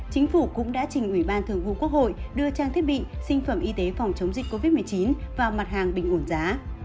chính phủ cũng đã trình ủy ban thường vụ quốc hội đưa trang thiết bị sinh phẩm y tế phòng chống dịch covid một mươi chín vào mặt hàng bình ổn giá